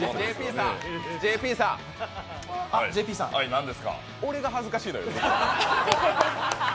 ＪＰさん、俺が恥ずかしいのよ